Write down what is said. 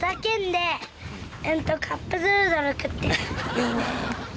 「いいね」